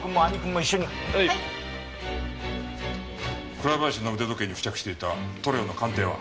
倉林の腕時計に付着していた塗料の鑑定は？